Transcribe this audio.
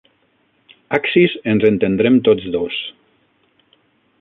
Axis ens entendrem tots dos.